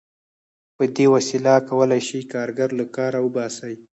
په دې وسیله کولای شي کارګر له کاره وباسي